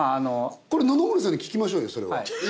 これ野々村さんに聞きましょうよ。